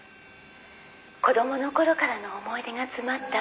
「子供の頃からの思い出が詰まった」「」